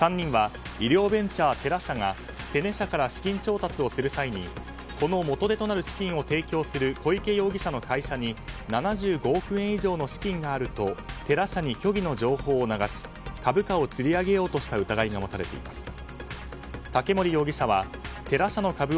３人は医療ベンチャーテラ社がセネ社から資金調達する際にこの元手となる資金を提供する小池容疑者の会社に７５億円以上の資金があるとテラ社に虚偽の情報を流し株価をつり上げようとした疑いが持たれています。